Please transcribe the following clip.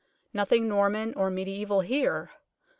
Nothing Norman or mediaeval here.